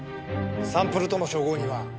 サンプルとの照合には？